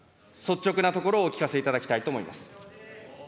率直なところをお聞かせいただきたいと思います。